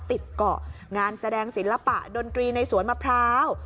ติดเกาะงานแสดงศิลปะดนตรีในสวนมะพร้าว